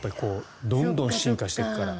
どんどん進化していくから。